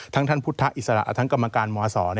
ทั้งท่านพุทธศาสตร์อิสระทั้งกรรมการมศ